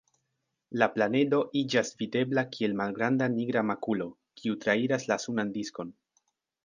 La planedo iĝas videbla kiel malgranda nigra makulo, kiu trairas la sunan diskon.